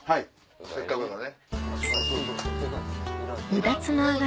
せっかくだからね。